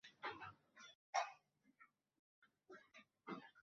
فخرج على قومه من المحراب فأوحى إليهم أن سبحوا بكرة وعشيا